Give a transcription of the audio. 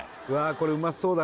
これうまそうだ